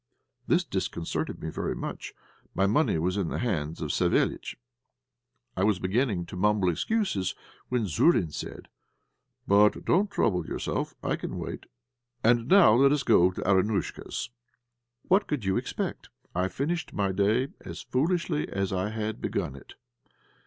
This disconcerted me very much; my money was in the hands of Savéliitch. I was beginning to mumble excuses, when Zourine said "But don't trouble yourself; I can wait, and now let us go to Arinúshka's." What could you expect? I finished my day as foolishly as I had begun it.